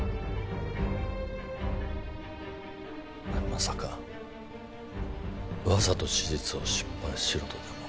まさかわざと手術を失敗しろとでも？